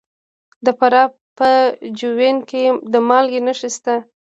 د فراه په جوین کې د مالګې نښې شته.